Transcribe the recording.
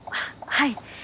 はい。